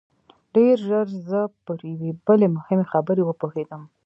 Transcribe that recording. ډېر ژر زه پر یوې بلې مهمې خبرې وپوهېدم